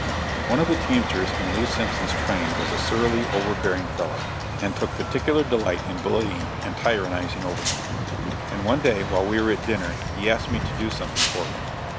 One of the teamsters in Lew. Simpson's train was a surly, overbearing fellow, and took particular delight in bullying and tyrannizing over me, and one day while we were at dinner he asked me to do something for him.